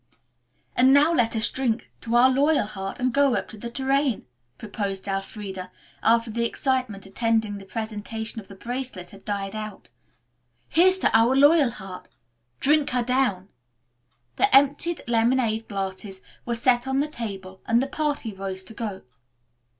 "And now let us drink a toast to our Loyalheart and go up to the Tourraine," proposed Elfreda, after the excitement attending the presentation of the bracelet had died out. "Here's to our Loyalheart! Drink her down!" The emptied lemonade glasses were set on the table and the party rose to go.